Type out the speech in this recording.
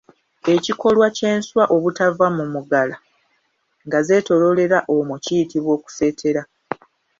Ekikolwa ky’enswa obutava mu mugala nga zeetooloolera omwo kiyitibwa kuseetera.